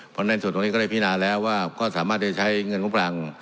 เพราะในส่วนตรงนี้ก็ได้พินาแล้วว่าก็สามารถได้ใช้เงินงบกลาง